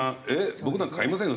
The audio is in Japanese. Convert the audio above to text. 僕なんか買いませんよ。